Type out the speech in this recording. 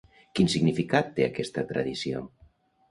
Quin significat té aquesta tradició?